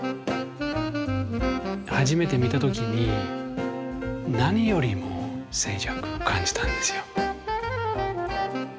初めて見た時に何よりも静寂を感じたんですよ。